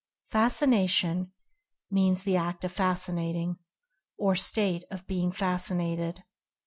"Fascination" means "the act of Fascinating, or state of being Fascinated."